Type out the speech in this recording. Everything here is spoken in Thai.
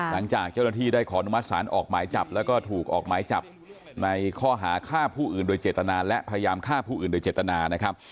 หลังจากเจ้าหน้าที่ได้ขออนุมัติศาลออกหมายจับแล้วก็ถูกออกหมายจับในข้อหาฆ่าผู้อื่นโดยเจตนาและพยายามฆ่าผู้อื่นโดยเจตนานะครับ